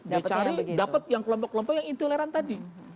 dia cari dapet yang kelompok kelompok yang intoleran tadi